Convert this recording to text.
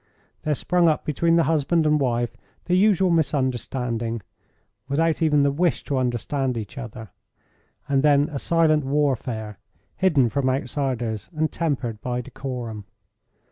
There sprung up between the husband and wife the usual misunderstanding, without even the wish to understand each other, and then a silent warfare, hidden from outsiders and tempered by decorum.